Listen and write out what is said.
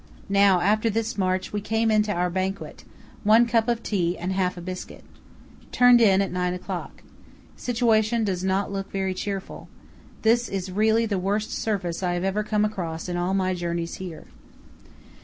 Now after this march we came into our banquet—one cup of tea and half a biscuit. Turned in at 9 o'clock. Situation does not look very cheerful. This is really the worst surface I have ever come across in all my journeys here."